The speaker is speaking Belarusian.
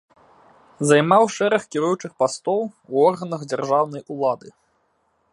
Займаў шэраг кіруючых пастоў ў органах дзяржаўнай улады.